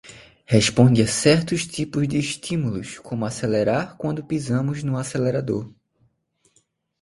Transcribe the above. Responde a certos tipos de estímulos, como acelerar quando pisamos no acelerador